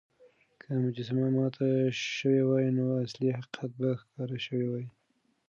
که مجسمه ماته شوې وای، نو اصلي حقيقت به ښکاره شوی وای.